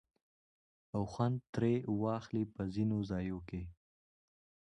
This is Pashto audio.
او خوند ترې واخلي په ځينو ځايو کې